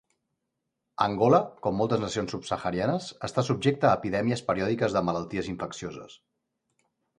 Angola, com moltes nacions Subsaharianes, està subjecta a epidèmies periòdiques de malalties infeccioses.